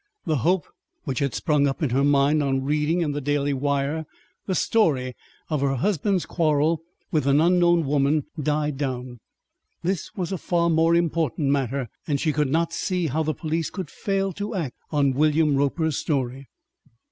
The hope which had sprung up in her mind on reading in the Daily Wire the story of her husband's quarrel with an unknown woman died down. This was a far more important matter, and she could not see how the police could fail to act on William Roper's story.